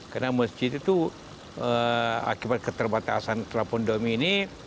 karena masjid itu akibat keterbatasan terpandemi ini